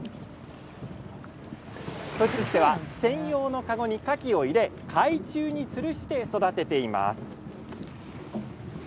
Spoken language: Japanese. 富津市では専用の籠にカキを入れ海中につるして育てています。